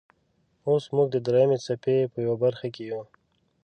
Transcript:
اوس موږ د دریمې څپې په یوه برخې کې یو.